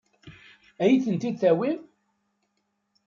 Ad iyi-ten-id-tawim?